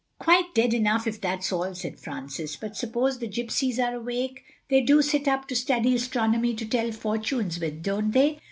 "Quite dead enough, if that's all," said Francis; "but suppose the gypsies are awake? They do sit up to study astronomy to tell fortunes with, don't they?